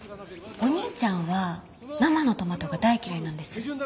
お兄ちゃんは生のトマトが大嫌いなんです。